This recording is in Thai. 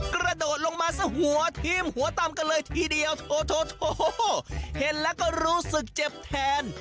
กระโดดลงมาซะหัวทีมหัวตำกันเลยทีเดียวโถเห็นแล้วก็รู้สึกเจ็บแทน